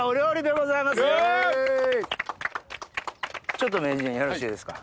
ちょっと名人よろしいですか。